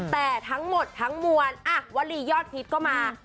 แต่ทั้งหมดทั้งมวลวลียอดฮิตก็มา